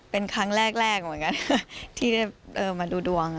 เป็นครั้งแรกเหมือนกันที่ได้มาดูดวง